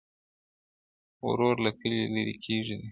o ورور له کلي لرې کيږي ډېر,